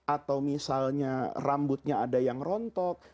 atau misalnya rambutnya ada yang rontok